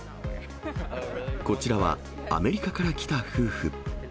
こちらはアメリカから来た夫婦。